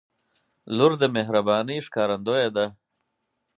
• لور د مهربانۍ ښکارندوی ده.